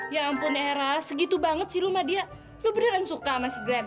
ya ampun eh rah segitu banget sih lo sama dia lo beneran suka sama si glenn